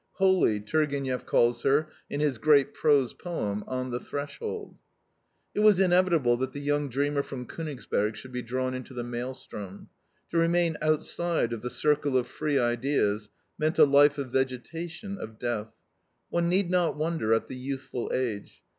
Holy, Turgeniev calls her in his great prose poem, ON THE THRESHOLD. It was inevitable that the young dreamer from Konigsberg should be drawn into the maelstrom. To remain outside of the circle of free ideas meant a life of vegetation, of death. One need not wonder at the youthful age.